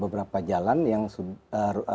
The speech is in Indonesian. beberapa jalan yang eee